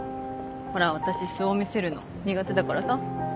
ほら私素を見せるの苦手だからさ。